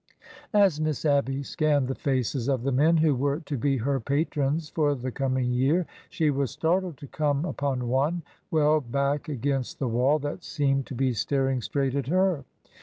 As Miss Abby scanned the faces of the men who were to be her patrons for the coming year, she was startled to come upon one, well back against the wall, that seemed to A STRONGHOLD OF ORTHODOXY 41 ' be staring straight at her.